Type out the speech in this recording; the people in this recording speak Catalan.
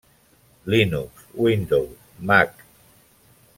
Linux, Windows, Mac.